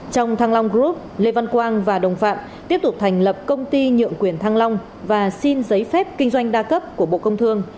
trong thăng long group lê văn quang và đồng phạm tiếp tục thành lập công ty nhượng quyền thăng long và xin giấy phép kinh doanh đa cấp của bộ công thương